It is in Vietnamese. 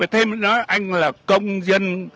thêm nữa anh là công dân